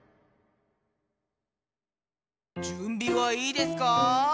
じゅんびはいいですか？